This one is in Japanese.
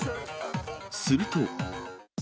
すると。